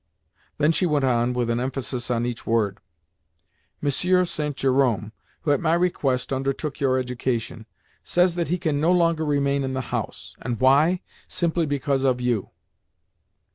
Then she went on, with an emphasis on each word, "Monsieur St. Jerome, who, at my request, undertook your education, says that he can no longer remain in the house. And why? Simply because of you."